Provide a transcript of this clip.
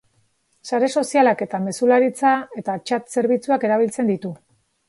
Sare sozialak eta mezularitza eta txat zerbitzuak erabiltzen ditu.